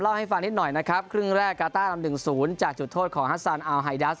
ให้ฟังนิดหน่อยนะครับครึ่งแรกกาต้านำหนึ่งศูนย์จากจุดโทษของฮัสซานอัลไฮดัส